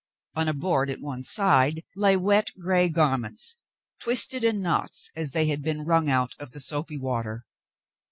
On a board at one side lay wet, gray garments, twisted in knots as they had been wrung out of the soapy water.